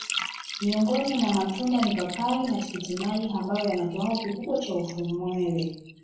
Miongoni mwa matunda ni papai na tikitimaji ambayo yana kiwango kikubwa cha ufumwele